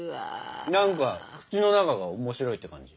何か口の中が面白いって感じ。